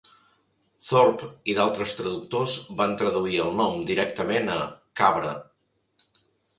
Thorpe i d'altres traductors van traduir el nom directament a "cabra".